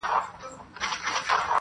پدې حالت کي